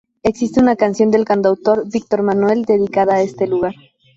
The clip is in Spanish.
Existe una canción del cantautor Víctor Manuel dedicada a este lugar.